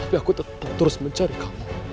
tapi aku tetap terus mencari kau